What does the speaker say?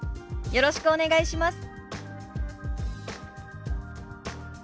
よろしくお願いします。